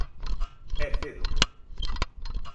É cedo.